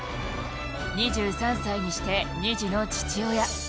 ２３歳にして、２児の父親。